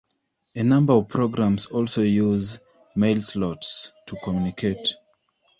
A number of programs also use Mailslots to communicate.